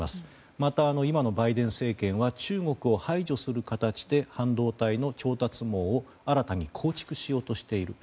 また、今のバイデン政権は中国を排除する形で半導体の調達網を新たに構築しようとしている。